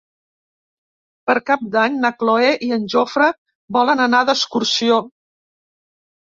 Per Cap d'Any na Cloè i en Jofre volen anar d'excursió.